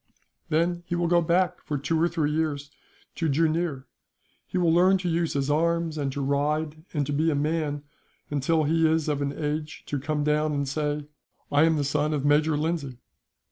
"Then he will go back, for two or three years, to Jooneer. He will learn to use his arms, and to ride, and to be a man, until he is of an age to come down and say: "'I am the son of Major Lindsay.'"